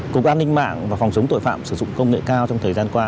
cục an ninh mạng và phòng chống tội phạm sử dụng công nghệ cao trong thời gian qua